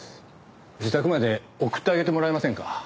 自宅まで送ってあげてもらえませんか？